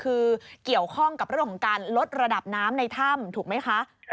คือเกี่ยวข้องกับเรื่องของการลดระดับน้ำในถ้ำถูกไหมคะ